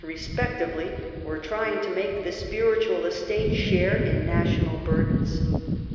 respectively were trying to make the spiritual estate share in national burdens.